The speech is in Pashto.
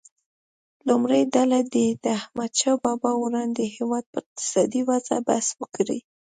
لومړۍ ډله دې د احمدشاه بابا وړاندې هیواد په اقتصادي وضعه بحث وکړي.